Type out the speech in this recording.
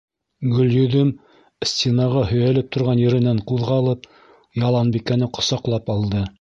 Гөлйөҙөм, стенаға һөйәлеп торған еренән ҡуҙғалып, Яланбикәне ҡосаҡлап алды: